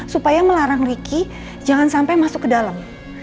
supaya melarang ricky jangan sampai masuk ke dalam